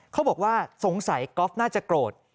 เขาบอกว่าสงสัยก๊อฟน่าจะโกรธ